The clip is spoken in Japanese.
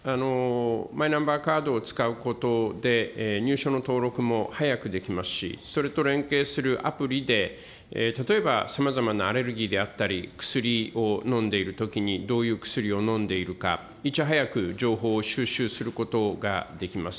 マイナンバーカードを使うことで入所の登録も早くできますし、それと連携するアプリで例えばさまざまなアレルギーであったり、薬を飲んでいるときに、どういう薬を飲んでいるか、いち早く情報を収集することができます。